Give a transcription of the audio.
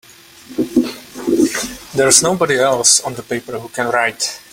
There's nobody else on the paper who can write!